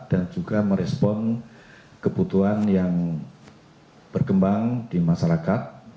dan juga merespon kebutuhan yang berkembang di masyarakat